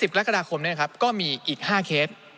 ๑๑๐กรกฎาคมนี่นะครับก็มีอีก๕เคส